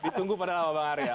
ditunggu pada nama bang arya